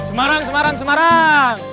semarang semarang semarang